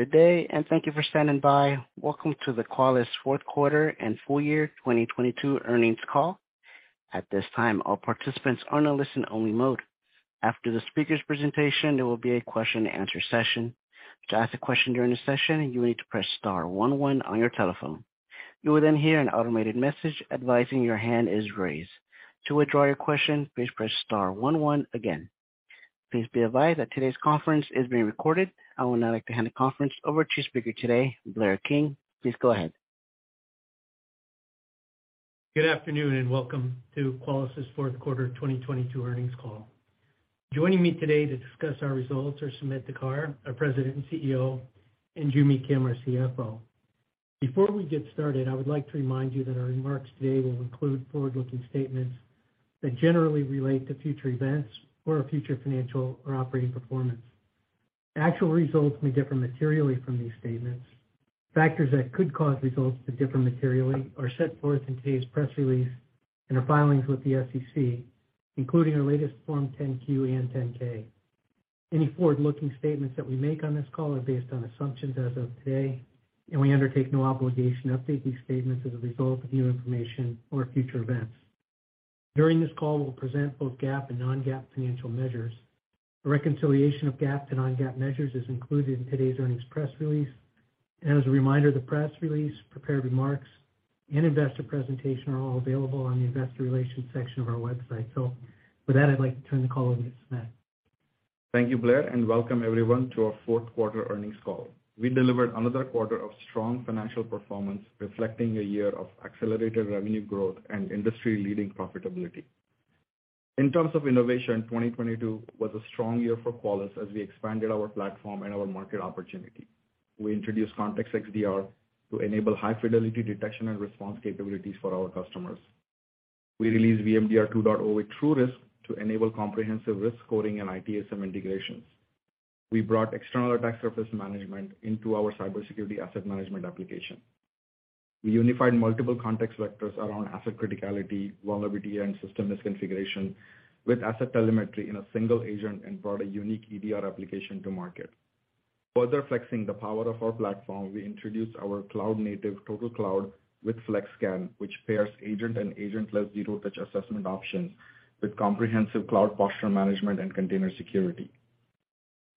Good day, and thank you for standing by. Welcome to the Qualys fourth quarter and full year 2022 earnings call. At this time, all participants are in a listen-only mode. After the speaker's presentation, there will be a question and answer session. To ask a question during the session, you will need to press star one one on your telephone. You will then hear an automated message advising your hand is raised. To withdraw your question, please press star one one again. Please be advised that today's conference is being recorded. I would now like to hand the conference over to speaker today, Blair King. Please go ahead. Good afternoon, welcome to Qualys' fourth quarter 2022 earnings call. Joining me today to discuss our results are Sumedh Thakar, our President and CEO, and Joo Mi Kim, our CFO. Before we get started, I would like to remind you that our remarks today will include forward-looking statements that generally relate to future events or our future financial or operating performance. Actual results may differ materially from these statements. Factors that could cause results to differ materially are set forth in today's press release and our filings with the SEC, including our latest Form 10-Q and 10-K. Any forward-looking statements that we make on this call are based on assumptions as of today, and we undertake no obligation to update these statements as a result of new information or future events. During this call, we'll present both GAAP and non-GAAP financial measures. A reconciliation of GAAP to non-GAAP measures is included in today's earnings press release. As a reminder, the press release, prepared remarks, and investor presentation are all available on the investor relations section of our website. With that, I'd like to turn the call over to Sumedh. Thank you, Blair, and welcome everyone to our fourth quarter earnings call. We delivered another quarter of strong financial performance reflecting a year of accelerated revenue growth and industry-leading profitability. In terms of innovation, 2022 was a strong year for Qualys as we expanded our platform and our market opportunity. We introduced Context XDR to enable high-fidelity detection and response capabilities for our customers. We released VMDR 2.0 with TruRisk to enable comprehensive risk scoring and ITSM integrations. We brought External Attack Surface Management into our CyberSecurity Asset Management application. We unified multiple context vectors around asset criticality, vulnerability, and system misconfiguration with asset telemetry in a single agent and brought a unique EDR application to market. Further flexing the power of our platform, we introduced our cloud-native TotalCloud with FlexScan, which pairs agent and agent-less zero-touch assessment options with comprehensive cloud posture management and container security.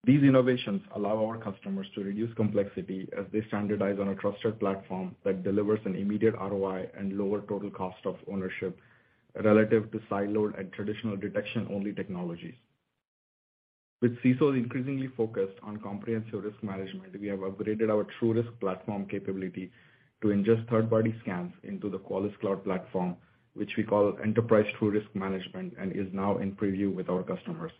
These innovations allow our customers to reduce complexity as they standardize on a trusted platform that delivers an immediate ROI and lower total cost of ownership relative to sideload and traditional detection-only technologies. With CISOs increasingly focused on comprehensive risk management, we have upgraded our TruRisk platform capability to ingest third-party scans into the Qualys cloud platform, which we call Enterprise TruRisk Management and is now in preview with our customers.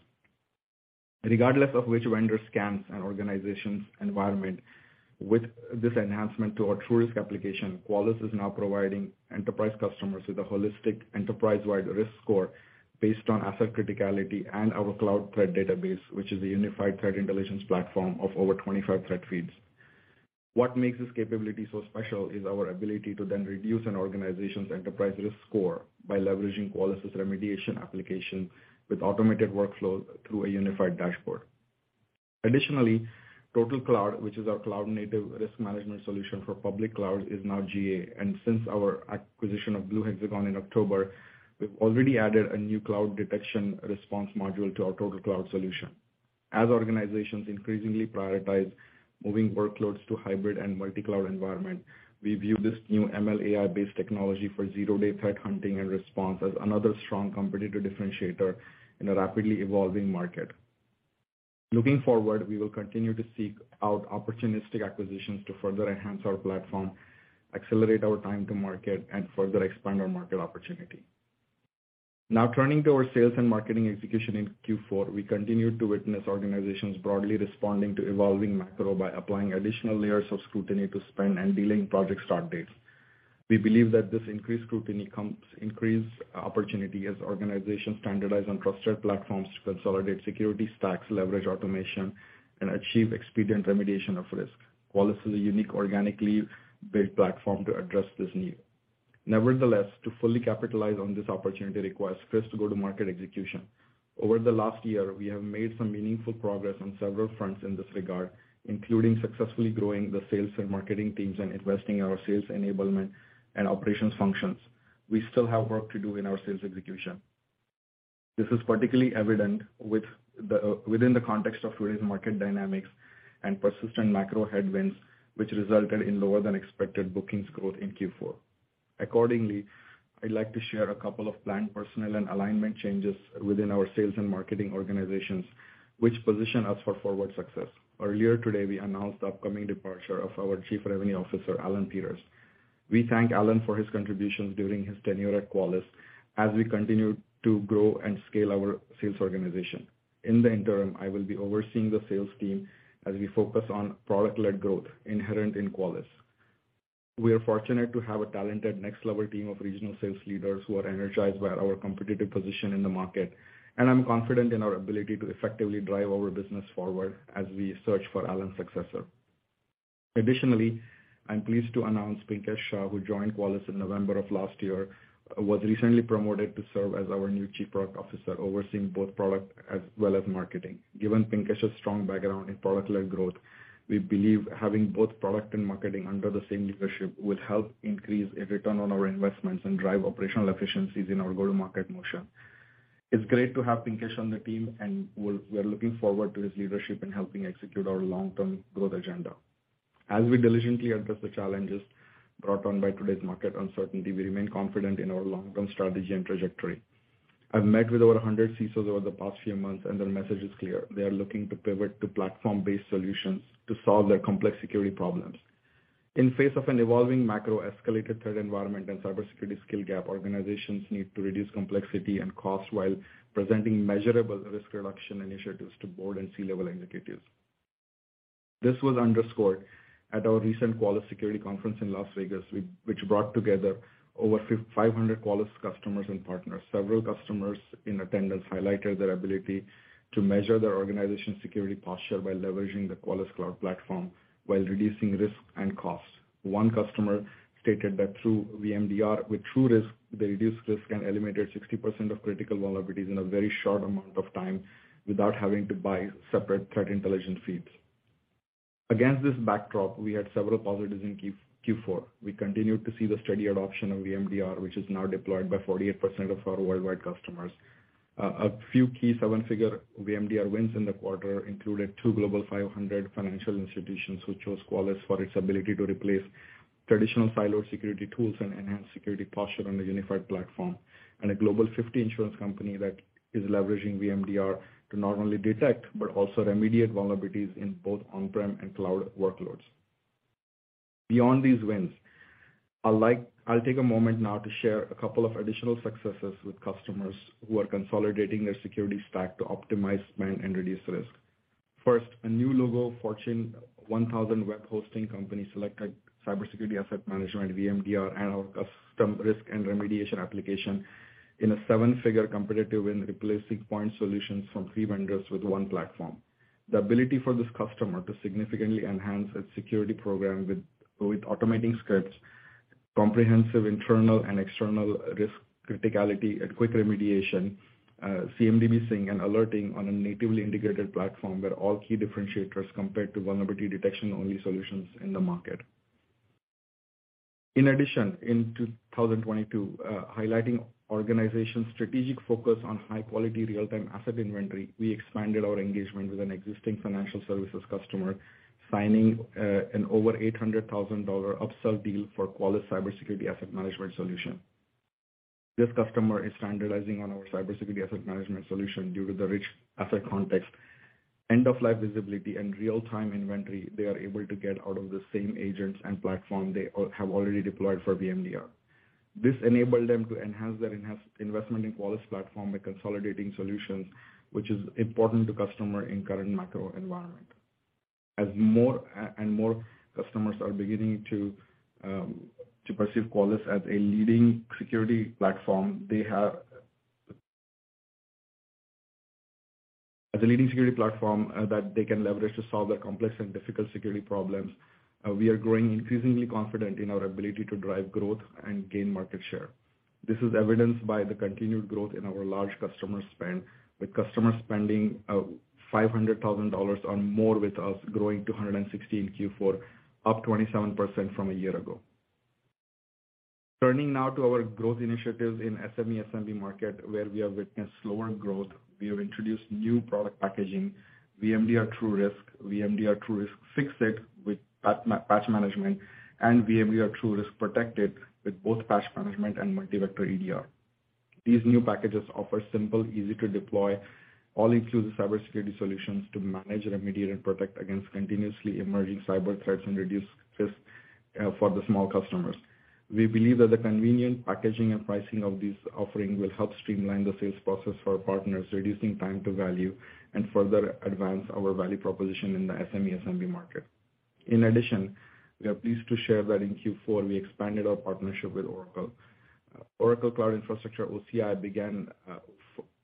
Regardless of which vendor scans an organization's environment, with this enhancement to our TruRisk application, Qualys is now providing enterprise customers with a holistic enterprise-wide risk score based on asset criticality and our cloud threat database, which is a unified threat intelligence platform of over 25 threat feeds. What makes this capability so special is our ability to then reduce an organization's enterprise risk score by leveraging Qualys' remediation application with automated workflows through a unified dashboard. TotalCloud, which is our cloud-native risk management solution for public cloud, is now GA. Since our acquisition of Blue Hexagon in October, we've already added a new Cloud Detection and Response module to our TotalCloud solution. As organizations increasingly prioritize moving workloads to hybrid and multi-cloud environment, we view this new ML/AI-based technology for zero-day threat hunting and response as another strong competitive differentiator in a rapidly evolving market. Looking forward, we will continue to seek out opportunistic acquisitions to further enhance our platform, accelerate our time to market, and further expand our market opportunity. Turning to our sales and marketing execution in Q4. We continued to witness organizations broadly responding to evolving macro by applying additional layers of scrutiny to spend and delaying project start dates. We believe that this increased scrutiny comes increased opportunity as organizations standardize on trusted platforms to consolidate security stacks, leverage automation, and achieve expedient remediation of risk. Qualys is a unique, organically built platform to address this need. Nevertheless, to fully capitalize on this opportunity requires crisp go-to-market execution. Over the last year, we have made some meaningful progress on several fronts in this regard, including successfully growing the sales and marketing teams and investing in our sales enablement and operations functions. We still have work to do in our sales execution. This is particularly evident with the within the context of recent market dynamics and persistent macro headwinds, which resulted in lower than expected bookings growth in Q4. Accordingly, I'd like to share a couple of planned personnel and alignment changes within our sales and marketing organizations which position us for forward success. Earlier today, we announced the upcoming departure of our Chief Revenue Officer, Allan Peters. We thank Allan for his contributions during his tenure at Qualys as we continue to grow and scale our sales organization. In the interim, I will be overseeing the sales team as we focus on product-led growth inherent in Qualys. We are fortunate to have a talented next-level team of regional sales leaders who are energized by our competitive position in the market, and I'm confident in our ability to effectively drive our business forward as we search for Allan's successor. I'm pleased to announce Pinkesh Shah, who joined Qualys in November of last year, was recently promoted to serve as our new Chief Product Officer, overseeing both product as well as marketing. Given Pinkesh's strong background in product-led growth, we believe having both product and marketing under the same leadership will help increase a return on our investments and drive operational efficiencies in our go-to-market motion. We're looking forward to his leadership in helping execute our long-term growth agenda. As we diligently address the challenges brought on by today's market uncertainty, we remain confident in our long-term strategy and trajectory. I've met with over 100 CSOs over the past few months. Their message is clear. They are looking to pivot to platform-based solutions to solve their complex security problems. In face of an evolving macro escalated threat environment and cybersecurity skill gap, organizations need to reduce complexity and cost while presenting measurable risk reduction initiatives to board and C-level executives. This was underscored at our recent Qualys Security Conference in Las Vegas, which brought together over 500 Qualys customers and partners. Several customers in attendance highlighted their ability to measure their organization's security posture by leveraging the Qualys cloud platform while reducing risk and costs. One customer stated that through VMDR with TruRisk, they reduced risk and eliminated 60% of critical vulnerabilities in a very short amount of time without having to buy separate threat intelligence feeds. Against this backdrop, we had several positives in Q4. We continued to see the steady adoption of VMDR, which is now deployed by 48% of our worldwide customers. A few key seven-figure VMDR wins in the quarter included two Global 500 financial institutions who chose Qualys for its ability to replace traditional siloed security tools and enhance security posture on a unified platform. A Global 50 insurance company that is leveraging VMDR to not only detect, but also remediate vulnerabilities in both on-prem and cloud workloads. Beyond these wins, I'll take a moment now to share a couple of additional successes with customers who are consolidating their security stack to optimize spend and reduce risk. First, a new logo, Fortune 1000 web hosting company selected CyberSecurity Asset Management VMDR and our custom risk and remediation application in a seven-figure competitive win, replacing point solutions from three vendors with one platform. The ability for this customer to significantly enhance its security program with automating scripts, comprehensive internal and external risk criticality and quick remediation, CMDB sync and alerting on a natively integrated platform were all key differentiators compared to vulnerability detection-only solutions in the market. In addition, in 2022, highlighting organization's strategic focus on high-quality real-time asset inventory, we expanded our engagement with an existing financial services customer signing an over $800,000 upsell deal for Qualys CyberSecurity Asset Management solution. This customer is standardizing on our CyberSecurity Asset Management solution due to the rich asset context, end-of-life visibility and real-time inventory they are able to get out of the same agents and platform they have already deployed for VMDR. This enabled them to enhance their investment in Qualys platform by consolidating solutions, which is important to customer in current macro environment. As more and more customers are beginning to perceive Qualys as a leading security platform, they have... As a leading security platform that they can leverage to solve their complex and difficult security problems, we are growing increasingly confident in our ability to drive growth and gain market share. This is evidenced by the continued growth in our large customer spend, with customers spending $500,000 or more with us growing to 116 Q4, up 27% from a year ago. Turning now to our growth initiatives in SME/SMB market, where we have witnessed slower growth. We have introduced new product packaging, VMDR TruRisk, VMDR TruRisk FixIT with Patch Management, and VMDR TruRisk Protected with both Patch Management and Multi-Vector EDR. These new packages offer simple, easy-to-deploy, all-inclusive cybersecurity solutions to manage, remediate, and protect against continuously emerging cyber threats and reduce risk for the small customers. We believe that the convenient packaging and pricing of this offering will help streamline the sales process for our partners, reducing time to value and further advance our value proposition in the SME/SMB market. In addition, we are pleased to share that in Q4, we expanded our partnership with Oracle. Oracle Cloud Infrastructure, OCI, began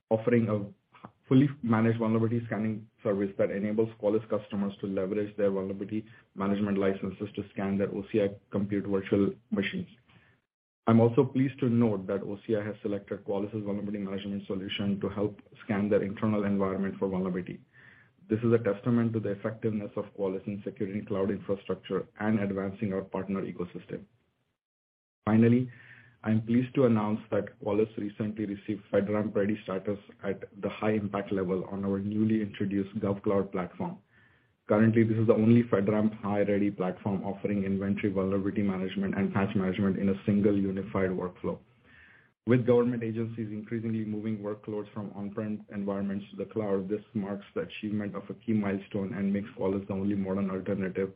offering a fully managed vulnerability scanning service that enables Qualys customers to leverage their vulnerability management licenses to scan their OCI compute virtual machines. I'm also pleased to note that OCI has selected Qualys' vulnerability management solution to help scan their internal environment for vulnerability. This is a testament to the effectiveness of Qualys in security cloud infrastructure and advancing our partner ecosystem. Finally, I'm pleased to announce that Qualys recently received FedRAMP Ready status at the high impact level on our newly introduced GovCloud platform. Currently, this is the only FedRAMP High Ready platform offering inventory vulnerability management and Patch Management in a single unified workflow. With government agencies increasingly moving workloads from on-prem environments to the cloud, this marks the achievement of a key milestone and makes Qualys the only modern alternative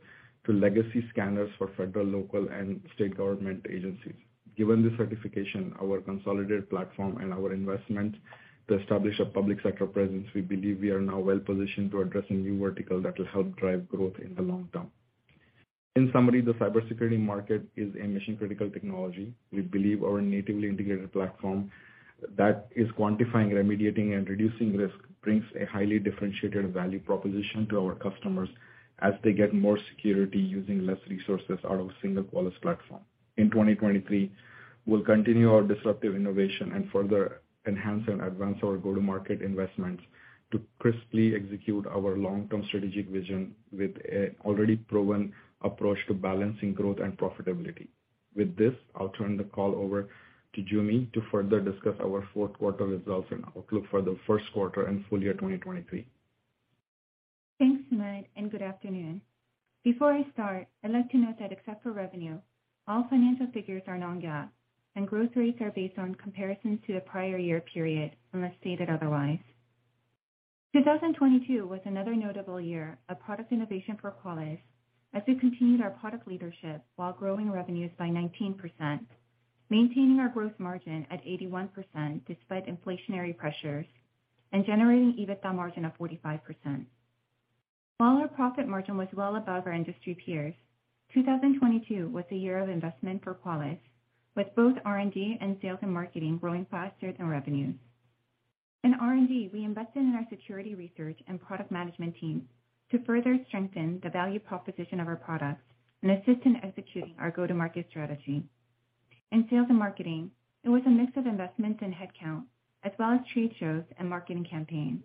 to legacy scanners for federal, local, and state government agencies. Given the certification, our consolidated platform and our investment to establish a public sector presence, we believe we are now well-positioned to address a new vertical that will help drive growth in the long term. In summary, the cybersecurity market is a mission-critical technology. We believe our natively integrated platform that is quantifying, remediating, and reducing risk brings a highly differentiated value proposition to our customers as they get more security using less resources out of a single Qualys platform. In 2023, we'll continue our disruptive innovation and further enhance and advance our go-to-market investments to crisply execute our long-term strategic vision with an already proven approach to balancing growth and profitability. With this, I'll turn the call over to Joo Mi to further discuss our fourth quarter results and outlook for the first quarter and full year 2023. Thanks, Sumedh. Good afternoon. Before I start, I'd like to note that except for revenue, all financial figures are non-GAAP and growth rates are based on comparisons to the prior year period, unless stated otherwise. 2022 was another notable year of product innovation for Qualys as we continued our product leadership while growing revenues by 19%, maintaining our growth margin at 81% despite inflationary pressures, and generating EBITDA margin of 45%. While our profit margin was well above our industry peers, 2022 was a year of investment for Qualys, with both R&D and sales and marketing growing faster than revenues. In R&D, we invested in our security research and product management team to further strengthen the value proposition of our products and assist in executing our go-to-market strategy. In sales and marketing, it was a mix of investments in headcount as well as trade shows and marketing campaigns.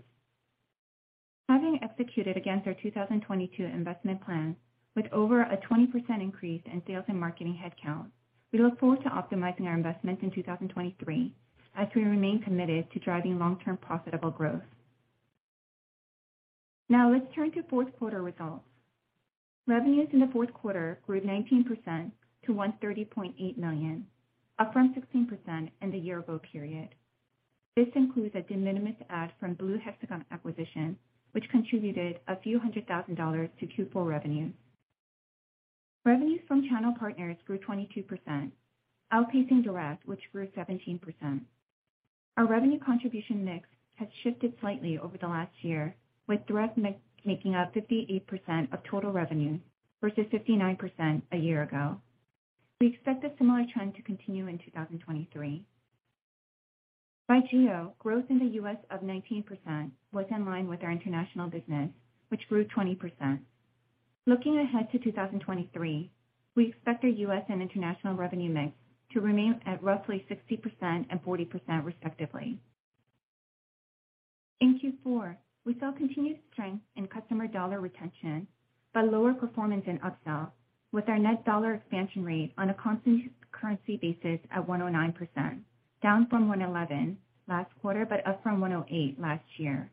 Having executed against our 2022 investment plan with over a 20% increase in sales and marketing headcount, we look forward to optimizing our investments in 2023 as we remain committed to driving long-term profitable growth. Let's turn to fourth quarter results. Revenues in the fourth quarter grew 19% to $130.8 million, up from 16% in the year-ago period. This includes a de minimis add from Blue Hexagon acquisition, which contributed a few hundred thousand dollars to Q4 revenue. Revenues from channel partners grew 22%, outpacing direct, which grew 17%. Our revenue contribution mix has shifted slightly over the last year, with direct making up 58% of total revenue versus 59% a year ago. We expect a similar trend to continue in 2023. By geo, growth in the U.S. of 19% was in line with our international business, which grew 20%. Looking ahead to 2023, we expect our U.S. and international revenue mix to remain at roughly 60% and 40% respectively. In Q4, we saw continued strength in customer dollar retention, but lower performance in upsell with our net dollar expansion rate on a constant currency basis at 109%, down from 111% last quarter, but up from 108% last year.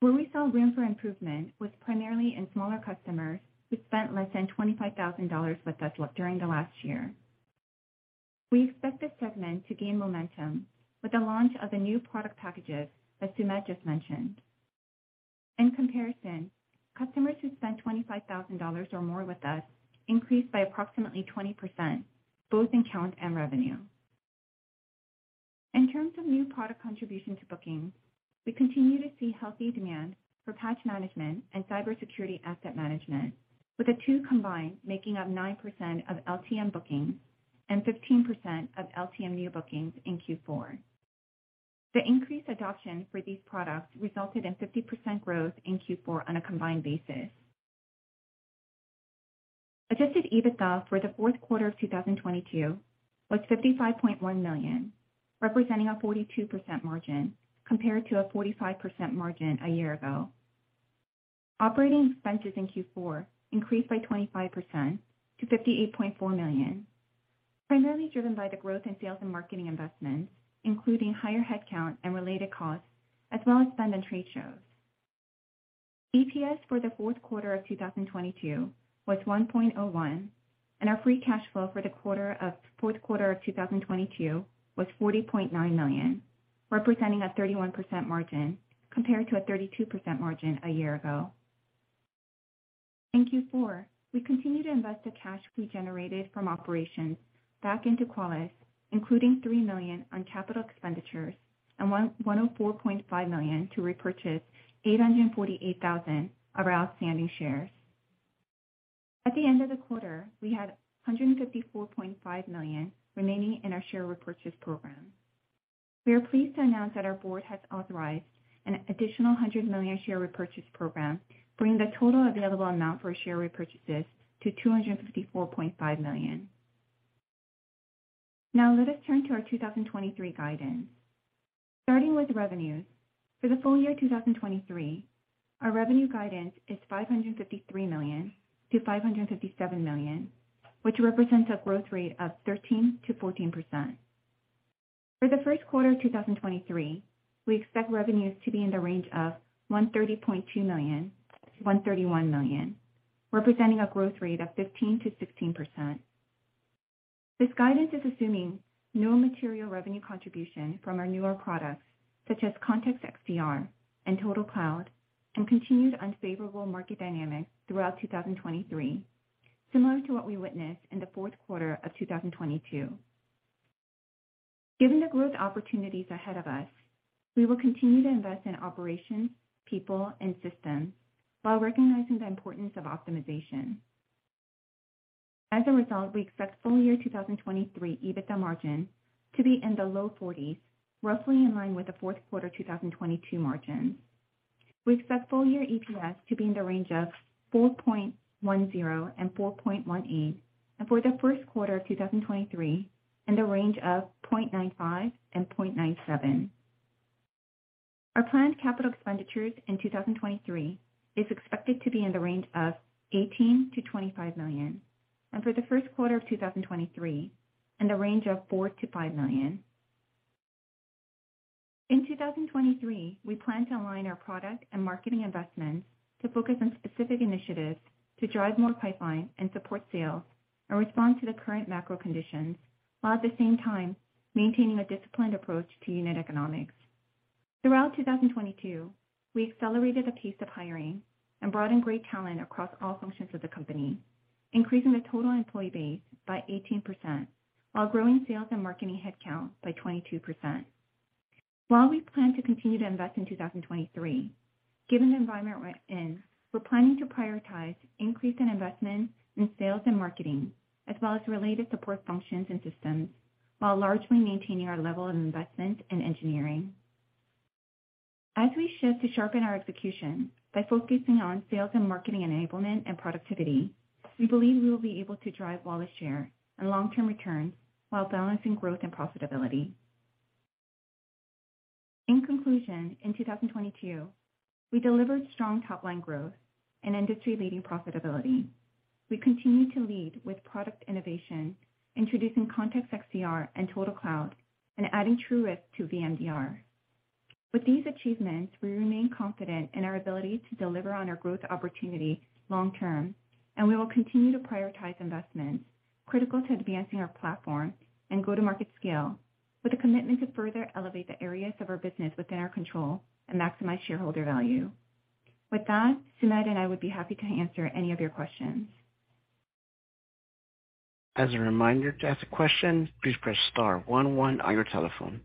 Where we saw room for improvement was primarily in smaller customers who spent less than $25,000 with us during the last year. We expect this segment to gain momentum with the launch of the new product packages that Sumedh just mentioned. In comparison, customers who spent $25,000 or more with us increased by approximately 20%, both in count and revenue. In terms of new product contribution to bookings, we continue to see healthy demand for Patch Management and CyberSecurity Asset Management, with the two combined making up 9% of LTM bookings and 15% of LTM new bookings in Q4. The increased adoption for these products resulted in 50% growth in Q4 on a combined basis. Adjusted EBITDA for the fourth quarter of 2022 was $55.1 million, representing a 42% margin compared to a 45% margin a year ago. Operating expenses in Q4 increased by 25% to $58.4 million, primarily driven by the growth in sales and marketing investments, including higher headcount and related costs, as well as spend on trade shows. EPS for the fourth quarter of 2022 was 1.01. Our free cash flow for the fourth quarter of 2022 was $40.9 million, representing a 31% margin compared to a 32% margin a year ago. In Q4, we continued to invest the cash we generated from operations back into Qualys, including $3 million on capital expenditures and $104.5 million to repurchase 848,000 of our outstanding shares. At the end of the quarter, we had $154.5 million remaining in our share repurchase program. We are pleased to announce that our Board has authorized an additional $100 million share repurchase program, bringing the total available amount for share repurchases to $254.5 million. Let us turn to our 2023 guidance. Starting with revenues, for the full year 2023, our revenue guidance is $553 million-$557 million, which represents a growth rate of 13%-14%. For the first quarter of 2023, we expect revenues to be in the range of $130.2 million-$131 million, representing a growth rate of 15%-16%. This guidance is assuming no material revenue contribution from our newer products, such as Context XDR and TotalCloud, and continued unfavorable market dynamics throughout 2023, similar to what we witnessed in the fourth quarter of 2022. Given the growth opportunities ahead of us, we will continue to invest in operations, people, and systems while recognizing the importance of optimization. As a result, we expect full year 2023 EBITDA margin to be in the low 40s, roughly in line with the fourth quarter 2022 margins. We expect full year EPS to be in the range of $4.10 and $4.18, and for the first quarter of 2023 in the range of $0.95 and $0.97. Our planned capital expenditures in 2023 is expected to be in the range of $18 million-$25 million, and for the first quarter of 2023 in the range of $4 million-$5 million. In 2023, we plan to align our product and marketing investments to focus on specific initiatives to drive more pipeline and support sales and respond to the current macro conditions, while at the same time maintaining a disciplined approach to unit economics. Throughout 2022, we accelerated the pace of hiring and brought in great talent across all functions of the company, increasing the total employee base by 18% while growing sales and marketing headcount by 22%. While we plan to continue to invest in 2023, given the environment we're in, we're planning to prioritize increase in investment in sales and marketing as well as related support functions and systems while largely maintaining our level of investment in engineering. As we shift to sharpen our execution by focusing on sales and marketing enablement and productivity, we believe we will be able to drive wallet share and long-term returns while balancing growth and profitability. In conclusion, in 2022, we delivered strong top-line growth and industry-leading profitability. We continue to lead with product innovation, introducing Context XDR and TotalCloud and adding TruRisk to VMDR. With these achievements, we remain confident in our ability to deliver on our growth opportunity long term. We will continue to prioritize investments critical to advancing our platform and go-to-market scale with a commitment to further elevate the areas of our business within our control and maximize shareholder value. With that, Sumedh and I would be happy to answer any of your questions. As a reminder, to ask a question, please press star one one on your telephone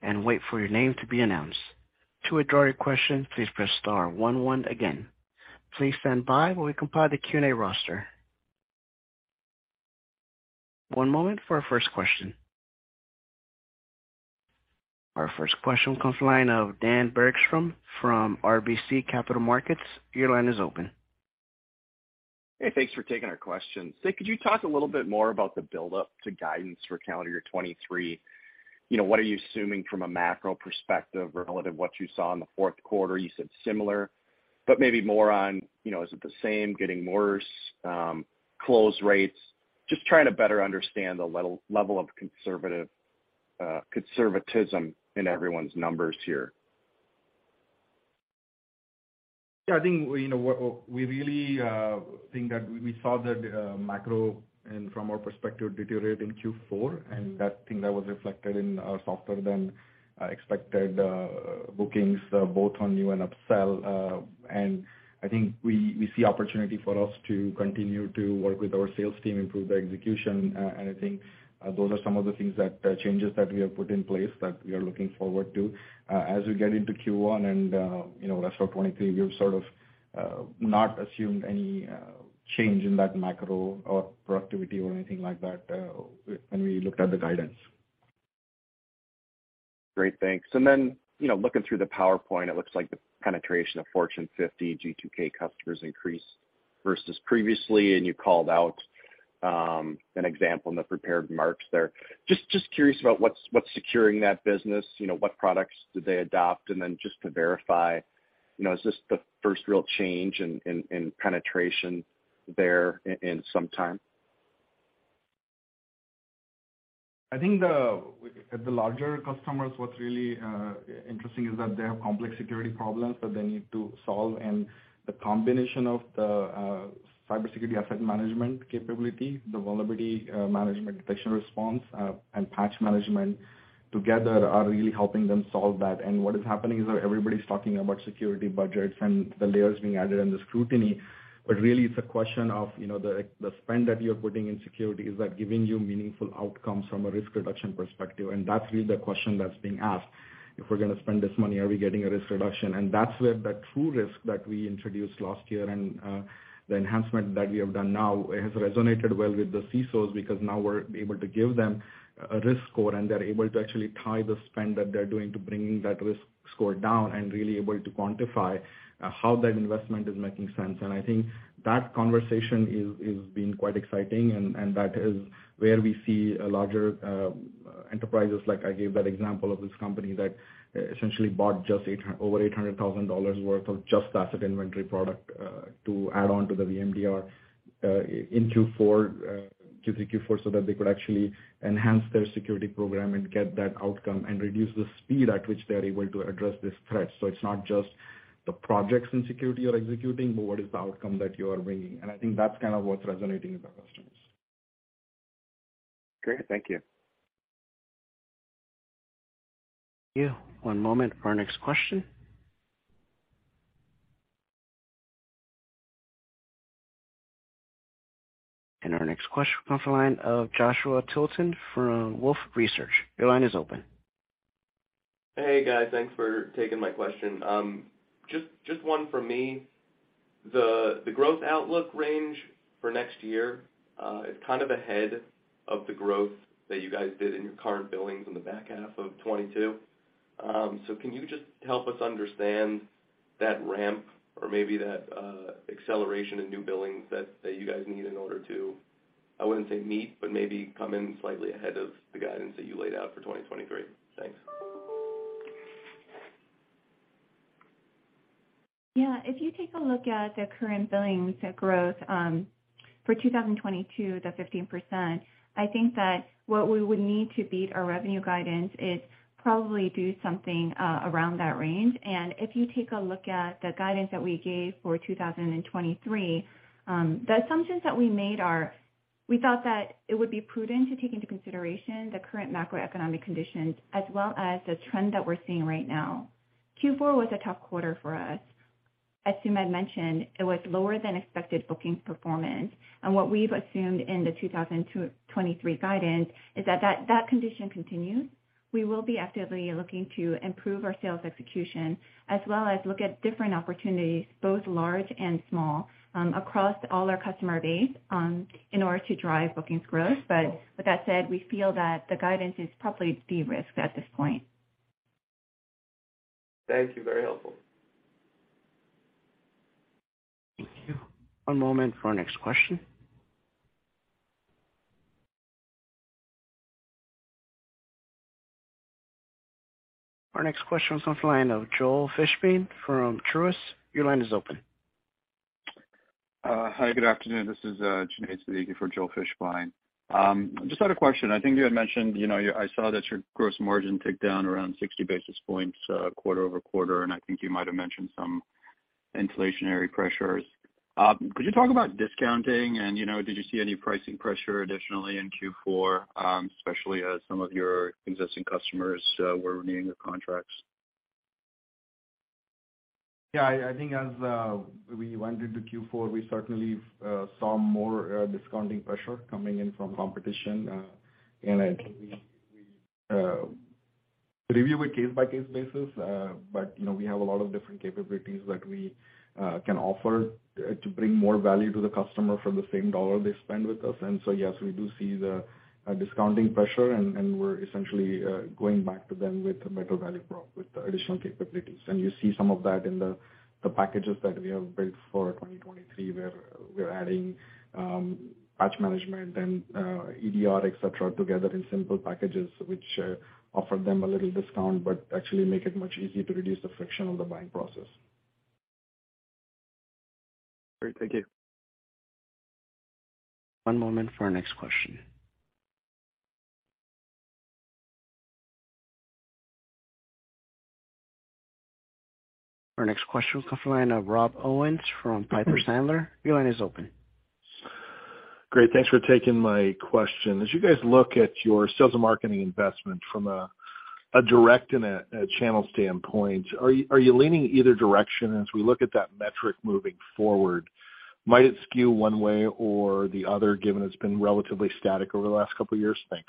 and wait for your name to be announced. To withdraw your question, please press star one one again. Please stand by while we compile the Q&A roster. One moment for our first question. Our first question comes the line of Dan Bergstrom from RBC Capital Markets. Your line is open. Hey, thanks for taking our questions. Say, could you talk a little bit more about the buildup to guidance for calendar year 2023? You know, what are you assuming from a macro perspective relative what you saw in the fourth quarter? You said similar, but maybe more on, you know, is it the same, getting worse, close rates? Just trying to better understand the level of conservative conservatism in everyone's numbers here. Yeah, I think, you know, we really think that we saw the macro and from our perspective deteriorate in Q4. I think that was reflected in softer than expected bookings, both on new and upsell. I think we see opportunity for us to continue to work with our sales team, improve the execution. I think those are some of the things that changes that we have put in place that we are looking forward to as we get into Q1 and, you know, rest of 2023. We've sort of not assumed any change in that macro or productivity or anything like that when we looked at the guidance. Great. Thanks. You know, looking through the PowerPoint, it looks like the penetration of Fortune 50 G2K customers increased versus previously, and you called out, an example in the prepared remarks there. Just curious about what's securing that business, you know, what products did they adopt? Just to verify, you know, is this the first real change in penetration there in some time? I think the, at the larger customers, what's really interesting is that they have complex security problems that they need to solve, and the combination of the CyberSecurity Asset Management capability, the Vulnerability Management, Detection and Response, and Patch Management together are really helping them solve that. What is happening is that everybody's talking about security budgets and the layers being added and the scrutiny. Really it's a question of, you know, the spend that you're putting in security, is that giving you meaningful outcomes from a risk reduction perspective? That's really the question that's being asked. If we're gonna spend this money, are we getting a risk reduction? That's where the TruRisk that we introduced last year and the enhancement that we have done now has resonated well with the CISOs because now we're able to give them a risk score, and they're able to actually tie the spend that they're doing to bringing that risk score down and really able to quantify how that investment is making sense. I think that conversation is been quite exciting and that is where we see larger enterprises like I gave that example of this company that essentially bought just over $800,000 worth of just asset inventory product to add on to the VMDR in Q3, Q4, so that they could actually enhance their security program and get that outcome and reduce the speed at which they're able to address this threat. It's not just the projects in security you're executing, but what is the outcome that you are bringing? I think that's kind of what's resonating with our customers. Great. Thank you. Yeah. One moment for our next question. Our next question comes from the line of Joshua Tilton from Wolfe Research. Your line is open. Hey, guys. Thanks for taking my question. Just one for me. The growth outlook range for next year is kind of ahead of the growth that you guys did in your current billings in the back half of 2022. Can you just help us understand that ramp or maybe that acceleration in new billings that you guys need in order to, I wouldn't say meet, but maybe come in slightly ahead of the guidance that you laid out for 2023? Thanks. Yeah. If you take a look at the current billings growth, for 2022, the 15%, I think that what we would need to beat our revenue guidance is probably do something around that range. If you take a look at the guidance that we gave for 2023, the assumptions that we made are we thought that it would be prudent to take into consideration the current macroeconomic conditions as well as the trend that we're seeing right now. Q4 was a tough quarter for us. As Sumedh mentioned, it was lower than expected bookings performance. What we've assumed in the 2023 guidance is that condition continues. We will be actively looking to improve our sales execution as well as look at different opportunities, both large and small, across all our customer base, in order to drive bookings growth. With that said, we feel that the guidance is properly de-risked at this point. Thank you. Very helpful. Thank you. One moment for our next question. Our next question comes from the line of Joel Fishbein from Truist. Your line is open. Hi, good afternoon. This is Junaid Siddiqui for Joel Fishbein. Just had a question. I think you had mentioned, you know, I saw that your gross margin ticked down around 60 basis points, quarter over quarter, and I think you might have mentioned some inflationary pressures. Could you talk about discounting and, you know, did you see any pricing pressure additionally in Q4, especially as some of your existing customers were renewing their contracts? Yeah, I think as we went into Q4, we certainly saw more discounting pressure coming in from competition. I think we review a case-by-case basis, but, you know, we have a lot of different capabilities that we can offer to bring more value to the customer for the same dollar they spend with us. Yes, we do see the discounting pressure, and we're essentially going back to them with a better value prop with the additional capabilities. You see some of that in the packages that we have built for 2023, where we're adding Patch Management and EDR, et cetera, together in simple packages, which offer them a little discount but actually make it much easier to reduce the friction on the buying process. Great. Thank you. One moment for our next question. Our next question will come from the line of Rob Owens from Piper Sandler. Your line is open. Great. Thanks for taking my question. As you guys look at your sales and marketing investment from a direct and a channel standpoint, are you leaning either direction as we look at that metric moving forward? Might it skew one way or the other, given it's been relatively static over the last couple years? Thanks.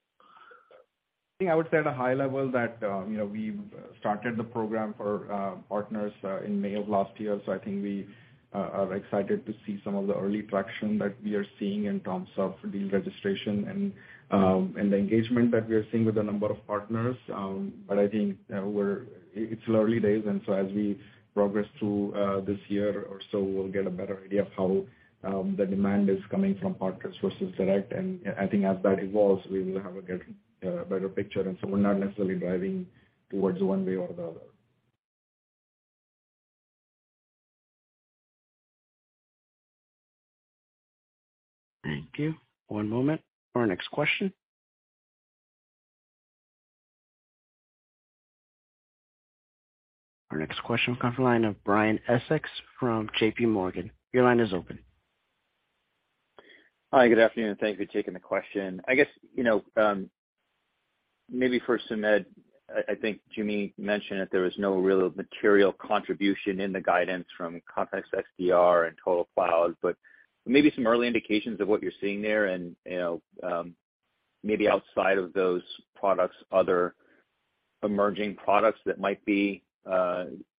I think I would say at a high level that, you know, we've started the program for partners in May of last year. I think we are excited to see some of the early traction that we are seeing in terms of deal registration and the engagement that we are seeing with a number of partners. I think it's early days, and so as we progress through this year or so, we'll get a better idea of how the demand is coming from partners versus direct. I think as that evolves, we will have a better picture. We're not necessarily driving towards one way or the other. Thank you. One moment for our next question. Our next question will come from the line of Brian Essex from JPMorgan. Your line is open. Hi, good afternoon. Thank you for taking the question. I guess, you know, maybe for Sumedh, I think Joo Mi mentioned that there was no real material contribution in the guidance from Context XDR and TotalCloud, but maybe some early indications of what you're seeing there and, you know, maybe outside of those products, other emerging products that might be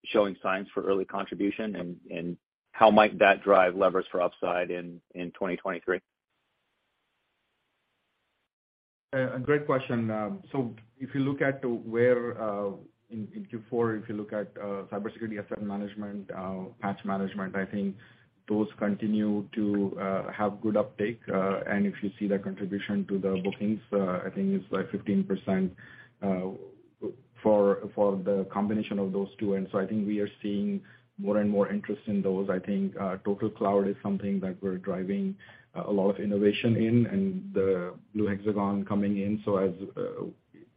showing signs for early contribution and how might that drive levers for upside in 2023? A great question. If you look at where in Q4, if you look at CyberSecurity Asset Management, Patch Management, I think those continue to have good uptake. If you see the contribution to the bookings, I think it's like 15% for the combination of those two. I think we are seeing more and more interest in those. I think TotalCloud is something that we're driving a lot of innovation in, and the Blue Hexagon coming in.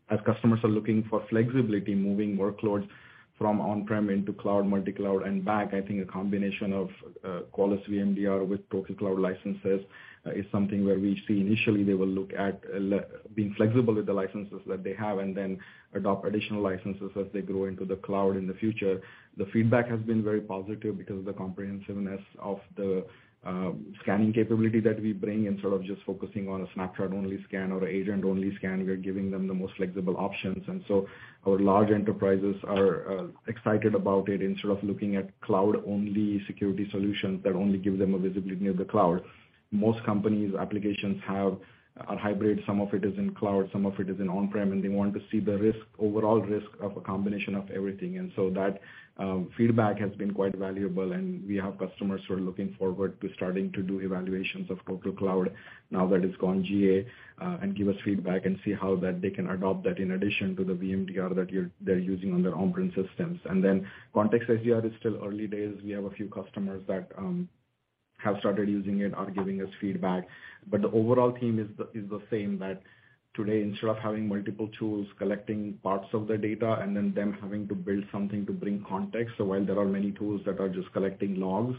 As customers are looking for flexibility moving workloads from on-prem into cloud, multi-cloud and back, I think a combination of Qualys VMDR with TotalCloud licenses is something where we see initially they will look at being flexible with the licenses that they have and then adopt additional licenses as they grow into the cloud in the future. The feedback has been very positive because of the comprehensiveness of the scanning capability that we bring. Instead of just focusing on a snapshot-only scan or agent-only scan, we are giving them the most flexible options. Our large enterprises are excited about it. Instead of looking at cloud-only security solutions that only give them a visibility near the cloud, most companies' applications have a hybrid. Some of it is in cloud, some of it is in on-prem, they want to see the risk, overall risk of a combination of everything. That, feedback has been quite valuable, and we have customers who are looking forward to starting to do evaluations of TotalCloud now that it's gone GA, and give us feedback and see how that they can adopt that in addition to the VMDR that they're using on their on-prem systems. Multi-Vector EDR is still early days. We have a few customers that, have started using it, are giving us feedback. The overall theme is the same, that today, instead of having multiple tools collecting parts of the data and then them having to build something to bring context, so while there are many tools that are just collecting logs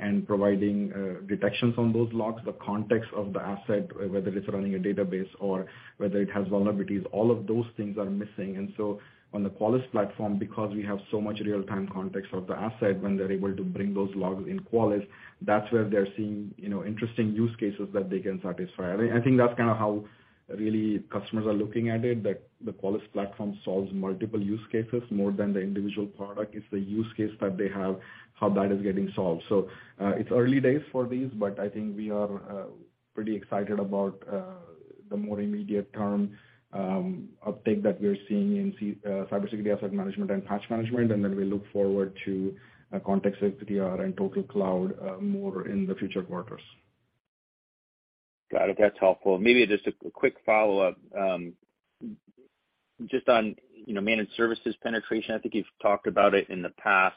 and providing detections on those logs, the context of the asset, whether it's running a database or whether it has vulnerabilities, all of those things are missing. On the Qualys platform, because we have so much real-time context of the asset, when they're able to bring those logs in Qualys, that's where they're seeing, you know, interesting use cases that they can satisfy. I think that's kinda how really customers are looking at it, that the Qualys platform solves multiple use cases more than the individual product. It's the use case that they have, how that is getting solved. It's early days for these, but I think we are pretty excited about the more immediate term uptake that we're seeing in CyberSecurity Asset Management and Patch Management. We look forward to Multi-Vector EDR and TotalCloud more in the future quarters. Got it. That's helpful. Maybe just a quick follow-up. Just on, you know, managed services penetration, I think you've talked about it in the past,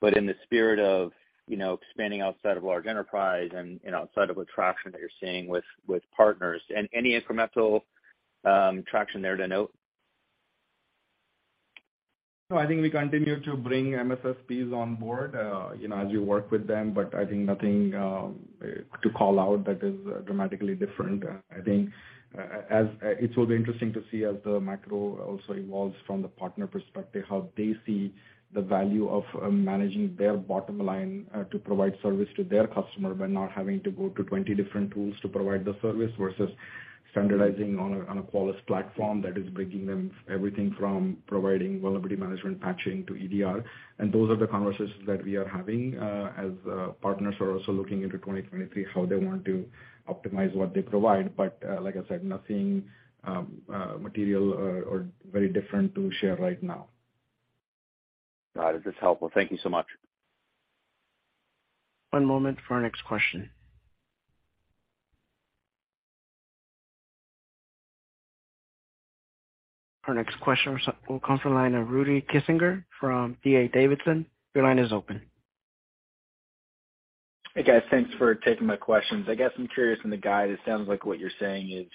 but in the spirit of, you know, expanding outside of large enterprise and, you know, outside of the traction that you're seeing with partners, and any incremental traction there to note? No, I think we continue to bring MSSPs on board, you know, as you work with them. I think nothing to call out that is dramatically different. I think as it will be interesting to see as the macro also evolves from the partner perspective, how they see the value of managing their bottom line to provide service to their customer by not having to go to 20 different tools to provide the service versus standardizing on a Qualys platform that is bringing them everything from providing vulnerability management patching to EDR. Those are the conversations that we are having as partners are also looking into 2023 how they want to optimize what they provide. Like I said, nothing material or very different to share right now. Got it. That's helpful. Thank you so much. One moment for our next question. Our next question will come from the line of Rudy Kessinger from D.A. Davidson. Your line is open. Hey, guys. Thanks for taking my questions. I guess I'm curious in the guide, it sounds like what you're saying is,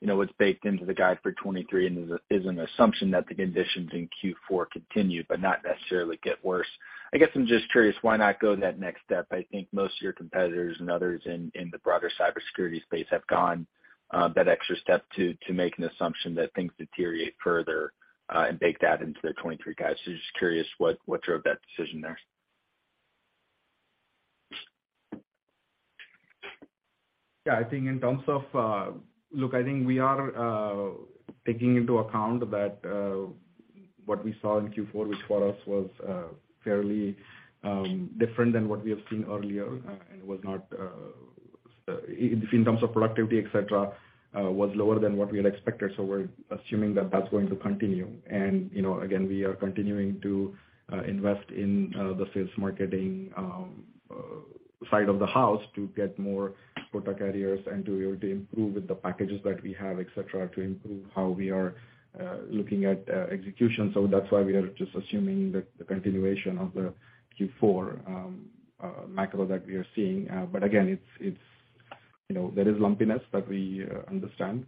you know, what's baked into the guide for 2023 and is a, is an assumption that the conditions in Q4 continue but not necessarily get worse. I guess I'm just curious, why not go that next step? I think most of your competitors and others in the broader cybersecurity space have gone that extra step to make an assumption that things deteriorate further and bake that into their 2023 guides. Just curious what drove that decision there. Yeah. Look, I think we are taking into account that what we saw in Q4, which for us was fairly different than what we have seen earlier, and was not in terms of productivity, et cetera, was lower than what we had expected, so we're assuming that that's going to continue. You know, again, we are continuing to invest in the sales marketing side of the house to get more quota carriers and to improve with the packages that we have, et cetera, to improve how we are looking at execution. That's why we are just assuming the continuation of the Q4 macro that we are seeing. Again, it's, you know, there is lumpiness that we understand,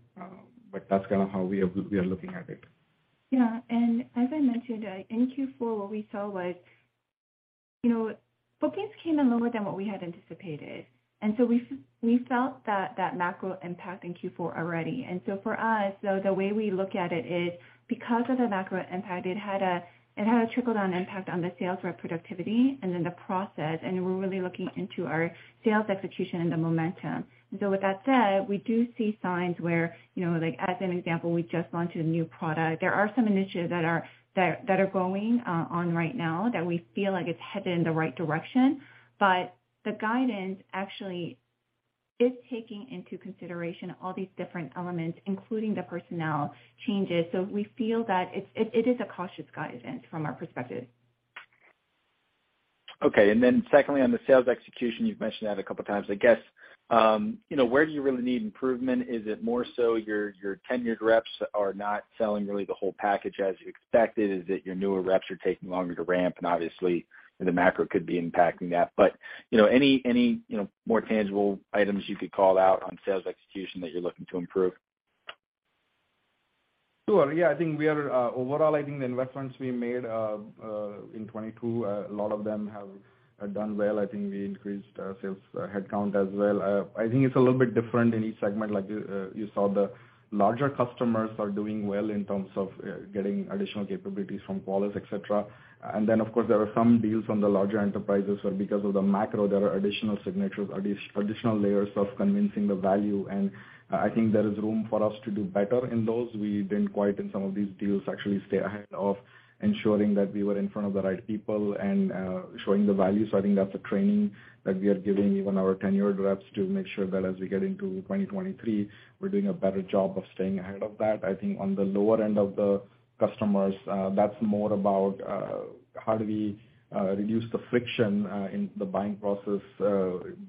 that's kinda how we are looking at it. Yeah. As I mentioned, in Q4, what we saw was, you know, bookings came in lower than what we had anticipated. We felt that macro impact in Q4 already. For us, the way we look at it is because of the macro impact, it had a trickle-down impact on the sales rep productivity and then the process, and we're really looking into our sales execution and the momentum. With that said, we do see signs where, you know, like as an example, we just launched a new product. There are some initiatives that are going on right now that we feel like it's headed in the right direction. The guidance actually is taking into consideration all these different elements, including the personnel changes. We feel that it's a cautious guidance from our perspective. Okay. Secondly, on the sales execution, you've mentioned that a couple times. I guess, you know, where do you really need improvement? Is it more so your tenured reps are not selling really the whole package as you expected? Is it your newer reps are taking longer to ramp? Obviously, you know, the macro could be impacting that. You know, any, you know, more tangible items you could call out on sales execution that you're looking to improve? Sure. Yeah, I think we are overall, I think the investments we made in 2022, a lot of them have done well. I think we increased sales headcount as well. I think it's a little bit different in each segment. Like you saw the larger customers are doing well in terms of getting additional capabilities from Qualys, et cetera. Then, of course, there are some deals on the larger enterprises where because of the macro, there are additional signatures, additional layers of convincing the value. I think there is room for us to do better in those. We didn't quite in some of these deals actually stay ahead of ensuring that we were in front of the right people and showing the value. I think that's a training that we are giving even our tenured reps to make sure that as we get into 2023, we're doing a better job of staying ahead of that. I think on the lower end of the customers, that's more about how do we reduce the friction in the buying process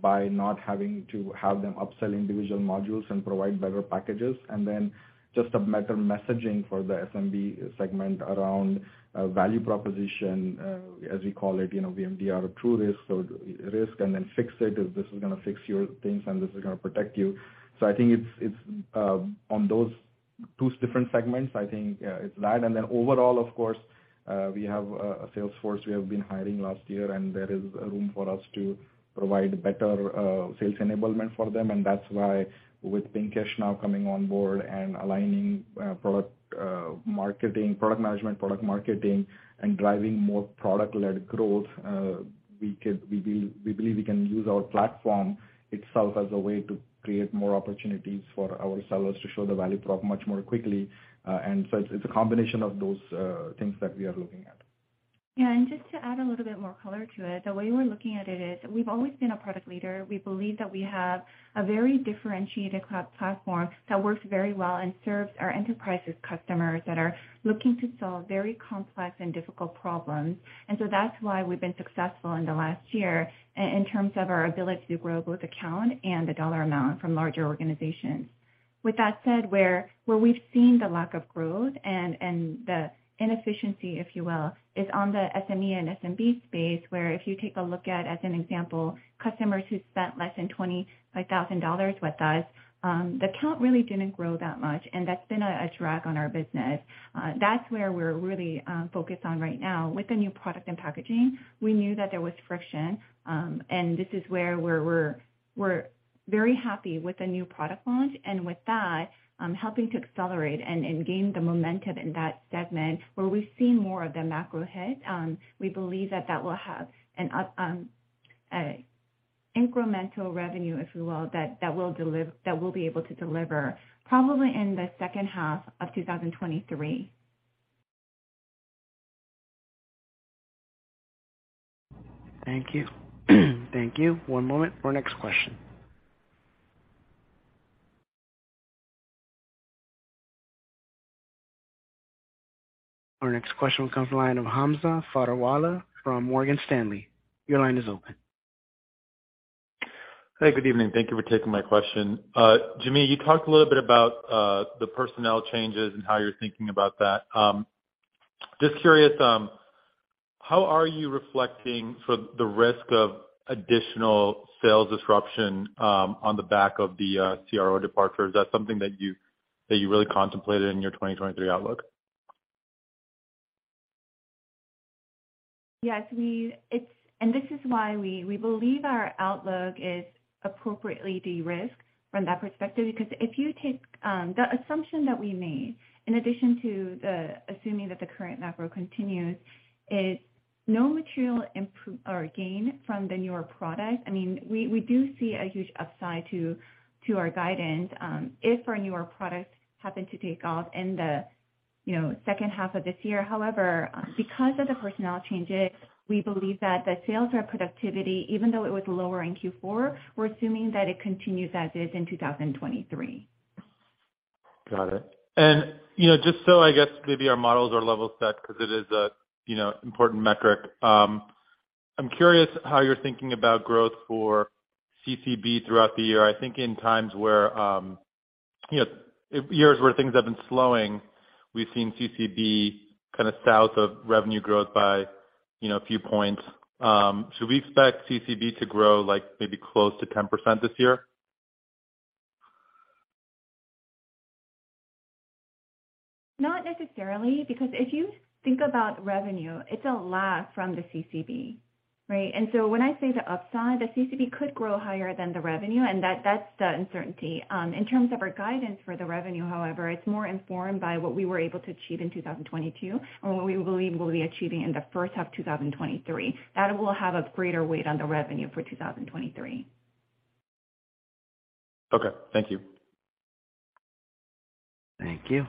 by not having to have them upselling division modules and provide better packages. Just a matter of messaging for the SMB segment around value proposition, as we call it, you know, VMDR TruRisk. Risk and then fix it if this is gonna fix your things and this is gonna protect you. I think it's on those two different segments, I think, it's that. Overall, of course, we have a sales force we have been hiring last year, and there is room for us to provide better sales enablement for them. That's why with Pinkesh now coming on board and aligning product, marketing, product management, product marketing, and driving more product-led growth, we believe we can use our platform itself as a way to create more opportunities for our sellers to show the value prop much more quickly. It's a combination of those things that we are looking at. Yeah. Just to add a little bit more color to it, the way we're looking at it is we've always been a product leader. We believe that we have a very differentiated cloud platform that works very well and serves our enterprises customers that are looking to solve very complex and difficult problems. That's why we've been successful in the last year in terms of our ability to grow both account and the dollar amount from larger organizations. With that said, where we've seen the lack of growth and the inefficiency, if you will, is on the SME and SMB space, where if you take a look at, as an example, customers who spent less than $25,000 with us, the count really didn't grow that much, and that's been a drag on our business. That's where we're really focused on right now. With the new product and packaging, we knew that there was friction, and this is where we're very happy with the new product launch. With that, helping to accelerate and gain the momentum in that segment where we've seen more of the macro hit, we believe that that will have an up, incremental revenue, if you will, that we'll be able to deliver probably in the second half of 2023. Thank you. Thank you. One moment for our next question. Our next question comes the line of Hamza Fodderwala from Morgan Stanley. Your line is open. Hey, good evening. Thank you for taking my question. Joo Mi, you talked a little bit about the personnel changes and how you're thinking about that. Just curious, how are you reflecting for the risk of additional sales disruption on the back of the CRO departure? Is that something that you really contemplated in your 2023 outlook? Yes, this is why we believe our outlook is appropriately de-risked from that perspective. Because if you take the assumption that we made, in addition to the assuming that the current macro continues, is no material or gain from the newer product. I mean, we do see a huge upside to our guidance if our newer products happen to take off in the, you know, second half of this year. However, because of the personnel changes, we believe that the sales rep productivity, even though it was lower in Q4, we're assuming that it continues as is in 2023. Got it. You know, just I guess maybe our models are level set because it is a, you know, important metric. I'm curious how you're thinking about growth for CCB throughout the year. I think in times where, you know, years where things have been slowing, we've seen CCB kinda south of revenue growth by, you know, a few points. Should we expect CCB to grow like maybe close to 10% this year? Not necessarily, because if you think about revenue, it's a lag from the CCB, right? When I say the upside, the CCB could grow higher than the revenue, and that's the uncertainty. In terms of our guidance for the revenue, however, it's more informed by what we were able to achieve in 2022 and what we believe we'll be achieving in the first half 2023. That will have a greater weight on the revenue for 2023. Okay. Thank you. Thank you.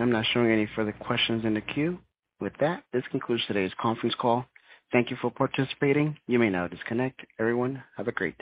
I'm not showing any further questions in the queue. This concludes today's conference call. Thank you for participating. You may now disconnect. Everyone, have a great day.